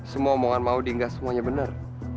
semua omongan maudie nggak semuanya bener